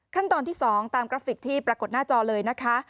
ขั้นตอนที่๒ตามกราฟิกที่ปรากฏหน้าจอเลยนะคะ